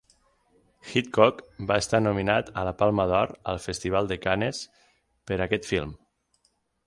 Hitchcock va estar nominat a la Palma d'Or al Festival de Canes per aquest film.